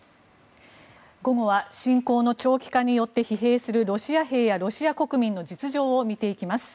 午後は侵攻の長期化によって疲弊するロシア兵やロシア国民の実情を見ていきます。